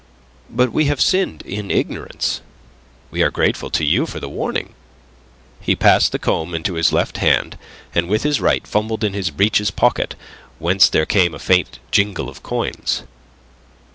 "But we have sinned in ignorance. We are grateful to you for the warning." He passed the comb into his left hand, and with his right fumbled in his breeches' pocket, whence there came a faint jingle of coins.